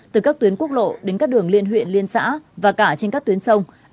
từ các tuyến quốc lộ đến các đường liên huyện liên xã và cả trên các tuyến sông